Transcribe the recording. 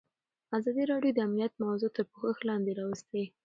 ازادي راډیو د امنیت موضوع تر پوښښ لاندې راوستې.